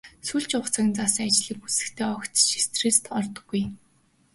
Сүүлчийн хугацааг нь заасан ажлыг гүйцэтгэхдээ ч огт стресст ордоггүй.